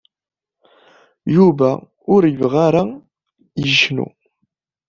Yuba ur yebɣa ara yecnu.